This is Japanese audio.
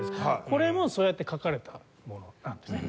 これもそうやって書かれたものなんですね。